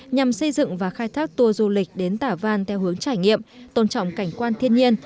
nhằm xây dựng và khai thác tour du lịch đến tả văn theo hướng trải nghiệm tôn trọng cảnh quan thiên nhiên